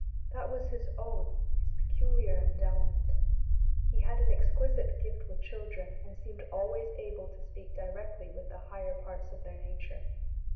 That was his own, his peculiar endowment. He had an exquisite gift with children and seemed alwavs able to speak directly with the higher parts of their nature.